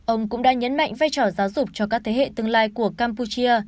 ông cũng đã nhấn mạnh vai trò giáo dục cho các thế hệ tương lai của campuchia